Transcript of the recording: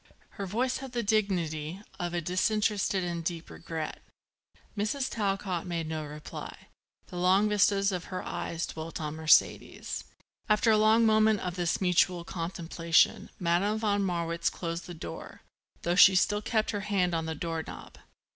Her voice had the dignity of a disinterested and deep regret. Mrs. Talcott made no reply. The long vistas of her eyes dwelt on Mercedes. After another moment of this mutual contemplation Madame von Marwitz closed the door, though she still kept her hand on the door knob.